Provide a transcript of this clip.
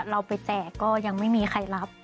เราไปแจกก็ยังไม่มีใครรับ